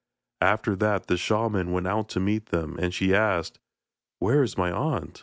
After that the shaman went out to meet them, and she asked: 'Where is my aunt?